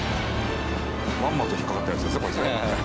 まんまと引っかかったヤツですねこいつね。